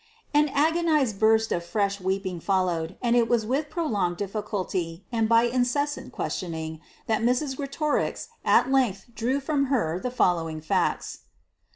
An agonized burst of fresh weeping followed, and it was with prolonged difficulty, and by incessant questioning, that Mrs. Greatorex at length drew from her the following facts.